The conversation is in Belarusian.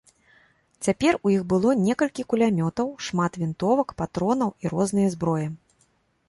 Цяпер у іх было некалькі кулямётаў, шмат вінтовак, патронаў і рознае зброі.